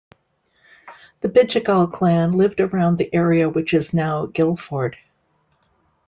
The Bidjigal clan lived around the area which is now Guildford.